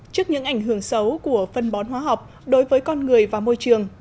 trước những ảnh hưởng xấu của phân bón hóa học đối với con người và môi trường